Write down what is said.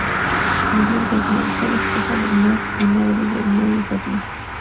Muriel Goldman fue la esposa de Mort y madre de Neil Goldman.